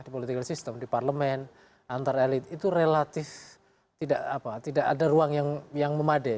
di political system di parlemen antar elit itu relatif tidak ada ruang yang memadai